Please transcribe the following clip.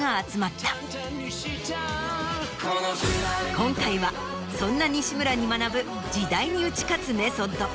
今回はそんな西村に学ぶ時代に打ち勝つメソッド。